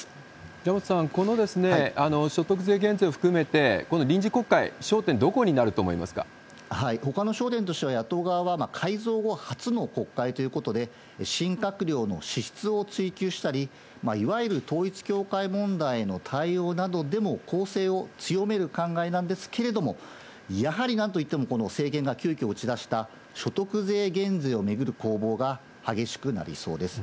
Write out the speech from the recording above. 平本さん、この所得税減税を含めて、この臨時国会、ほかの焦点としては、野党側は改造後初の国会ということで、新閣僚の資質を追及したり、いわゆる統一教会問題の対応などでも攻勢を強める考えなんですけれども、やはりなんといってもこの政権が急きょ打ち出した所得税減税を巡る攻防が激しくなりそうです。